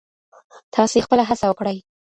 تاسې خپله هڅه وکړئ.